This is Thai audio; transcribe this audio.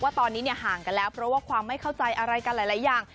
ตอนนี้ห่างกันแล้วเพราะว่าความไม่เข้าใจอะไรกันหลายอย่าง